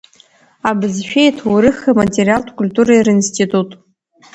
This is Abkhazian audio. Абызшәеи, аҭоурыхи, аматериалтә қәльтуреи ринститут.